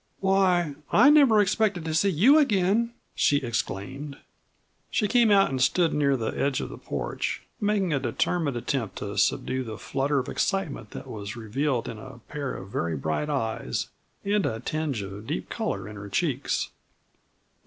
"Why, I never expected to see you again!" she exclaimed. She came out and stood near the edge of the porch, making a determined attempt to subdue the flutter of excitement that was revealed in a pair of very bright eyes and a tinge of deep color in her cheeks.